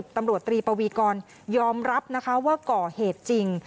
ตำรวจตรีปวีกรยอมรับนะคะว่าก่อเหตุจริง